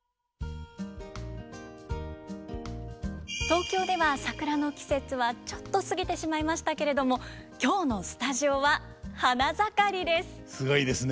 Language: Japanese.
東京では桜の季節はちょっと過ぎてしまいましたけれども今日のスタジオは花盛りです。